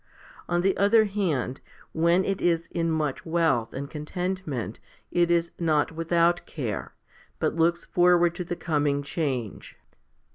On the other hand, when it is in much wealth and contentment it is not without care, but looks forward to the coming change.